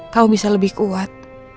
kamu bisa lebih kuat